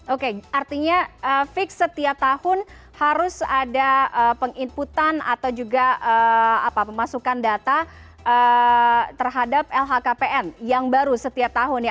oke artinya fix setiap tahun harus ada penginputan atau juga pemasukan data terhadap lhkpn yang baru setiap tahun ya